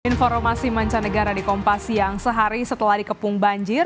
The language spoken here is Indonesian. informasi mancanegara di kompas siang sehari setelah dikepung banjir